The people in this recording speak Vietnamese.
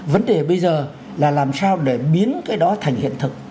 vấn đề bây giờ là làm sao để biến cái đó thành hiện thực